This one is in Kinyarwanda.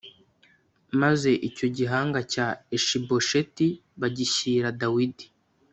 Maze icyo gihanga cya Ishibosheti bagishyira Dawidi